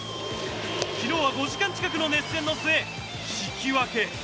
昨日は５時間近くの熱戦の末引き分け。